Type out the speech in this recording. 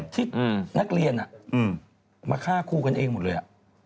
ที่นักเรียนมาฆ่าครูกันเองหมดเลย